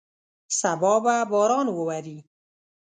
سبا به باران ووري.